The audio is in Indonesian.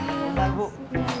belum ngedada flush